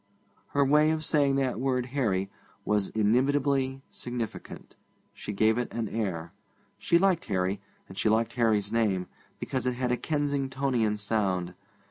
Her way of saying that word 'Harry' was inimitably significant. She gave it an air. She liked Harry, and she liked Harry's name, because it had a Kensingtonian sound.